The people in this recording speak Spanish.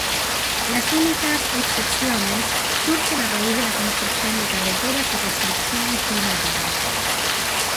Las únicas excepciones surgen a raíz de la construcción de carreteras y restricciones climáticas.